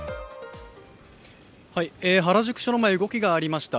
原宿署の前、動きがありました。